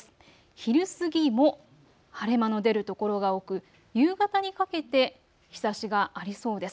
昼過ぎも晴れ間の出る所が多く夕方にかけて日ざしがありそうです。